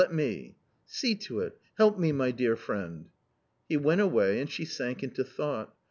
let me." " See to it, help me, my dear friend." He went away, and she sank into thought.